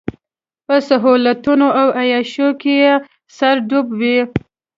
په سهولتونو او عياشيو کې يې سر ډوب وي.